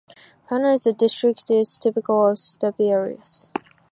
Fauna in the district is typical of steppe areas.